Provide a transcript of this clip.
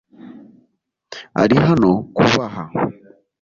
ari hano kubaha